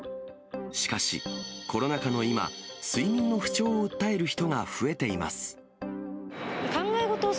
しかし、コロナ禍の今、睡眠の不調を訴える人が増えています。